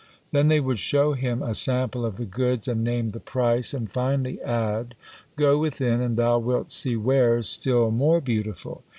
Then they would show him a sample of the goods, and name the price, and finally add, "Go within, and thou wilt see wares still more beautiful."